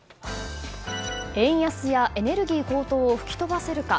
円安やエネルギー高騰を吹き飛ばせるか。